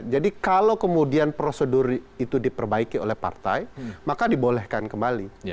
jadi kalau kemudian prosedur itu diperbaiki oleh partai maka dibolehkan kembali